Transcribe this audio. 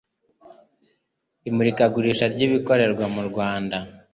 imurikagurisha ry ibikorerwa mu rwanda